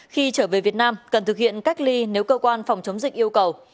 khi trở về việt nam cần thực hiện cách ly nếu cơ quan phòng chống dịch yêu cầu